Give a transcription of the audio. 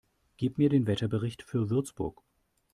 Gib mir den Wetterbericht für Würzburg